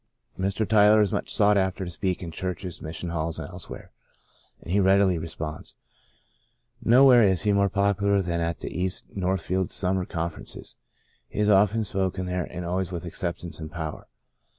*' Mr. Tyler is much sought after to speak in churches, mission halls and elsewhere. And he readily responds. Nowhere is he more popular than at the East Northfield Summer Conferences. He has often spoken there and always with acceptance and power.